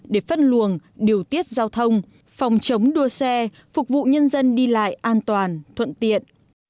giao thông phòng chống đua xe phục vụ nhân dân đi lại an toàn thuận tiện